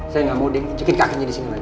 saya gak mau deng cekit kakinya disini lagi